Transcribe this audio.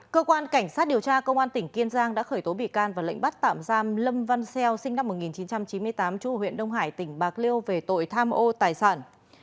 cơ quan cảnh sát điều tra công an tỉnh kiên giang đã khởi tố bị can và lệnh bắt tạm giam lâm văn xeo sinh năm một nghìn chín trăm chín mươi tám trụ huyện đông hải tỉnh bạc liêu về tội tham ô tài sản